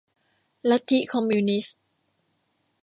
ลัทธิคอมมิวนิสต์